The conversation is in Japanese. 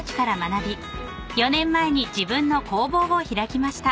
４年前に自分の工房を開きました］